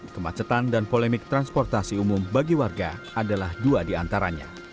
kemacetan dan polemik transportasi umum bagi warga adalah dua di antaranya